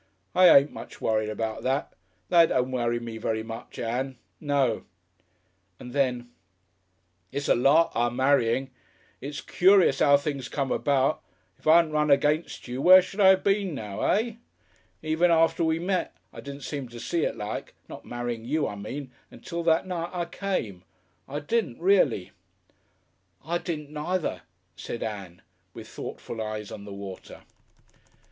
I ain't much worried about that. That don't worry me very much, Ann No." And then, "It's a lark, our marrying. It's curious 'ow things come about. If I 'adn't run against you, where should I 'ave been now. Eh?... Even after we met, I didn't seem to see it like not marrying you I mean until that night I came. I didn't reely." "I didn't neither," said Ann, with thoughtful eyes on the water.